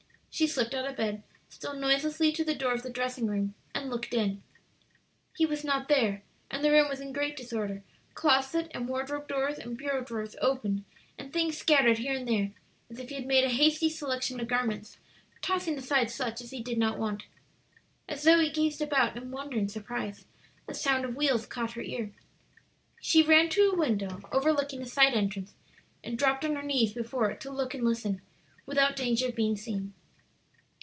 She slipped out of bed, stole noiselessly to the door of the dressing room, and looked in. He was not there, and the room was in great disorder, closet and wardrobe doors and bureau drawers open and things scattered here and there, as if he had made a hasty selection of garments, tossing aside such as he did not want. As Zoe gazed about in wonder and surprise, the sound of wheels caught her ear. She ran to a window overlooking a side entrance, and dropped on her knees before it to look and listen without danger of being seen.